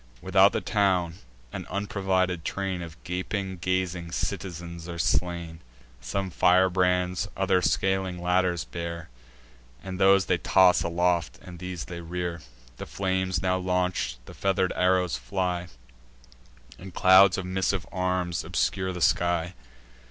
Without the town, an unprovided train Of gaping, gazing citizens are slain. Some firebrands, others scaling ladders bear, And those they toss aloft, and these they rear: The flames now launch'd, the feather'd arrows fly, And clouds of missive arms obscure the sky.